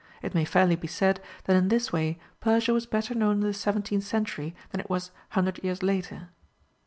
It may fairly be said that in this way Persia was better known in the seventeenth century than it was 100 years later.